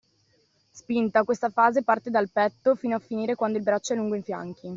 Spinta: Questa fase parte dal petto fino a finire quando il braccio è lungo i fianchi.